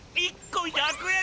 １こ１００円！